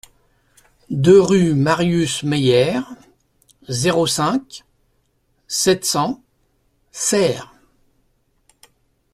deux rue Marius Meyère, zéro cinq, sept cents Serres